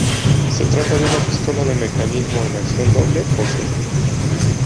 Se trata de una pistola de mecanismo en acción doble o simple.